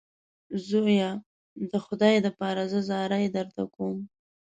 زویه د خدای دپاره زه زارۍ درته کوم.